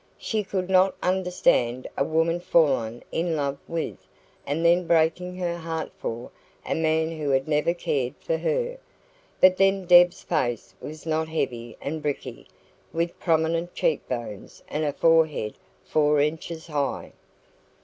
SHE could not understand a woman falling in love with, and then breaking her heart for, a man who had never cared for her. But then Deb's face was not heavy and bricky, with prominent cheek bones, and a forehead four inches high.